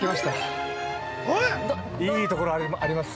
いいところあります。